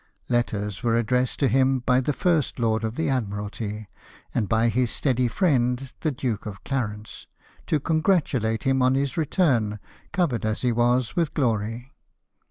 Letters were addressed to him by the First Lord of the Admiralty, and by his steady friend the Duke of Clarence, to congratulate him on his return, covered as he was with glory.